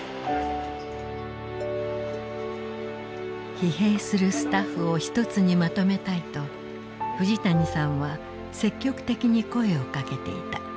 疲弊するスタッフを一つにまとめたいと藤谷さんは積極的に声をかけていた。